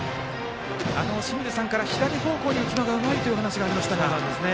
清水さんから、左方向に打つのがうまいというお話がありましたが。